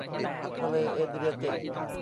ทะเลเอเดรียติก